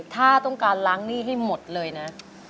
ถ้าต้องการล้างหนี้ให้หมดเลยนะ